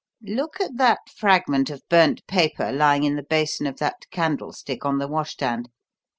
Look at that fragment of burnt paper lying in the basin of that candlestick on the washstand.